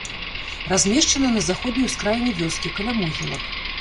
Размешчана на заходняй ускраіне вёскі, каля могілак.